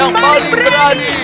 yang paling berani